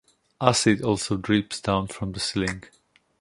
Acid also drips down from the ceiling.